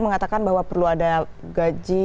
mengatakan bahwa perlu ada gaji